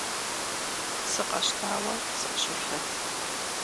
Сыкъэщтауэ сыкъыщолъэт.